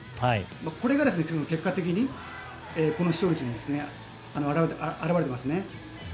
これが結果的にこの視聴率に表れています。